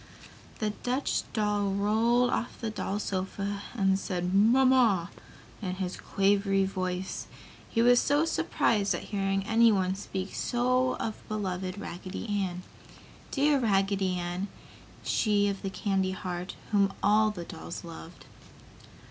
The Dutch doll rolled off the doll sofa and said "Mamma" in his quavery voice, he was so surprised at hearing anyone speak so of beloved Raggedy Ann dear Raggedy Ann, she of the candy heart, whom all the dolls loved.